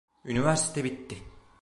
Üniversite bitti.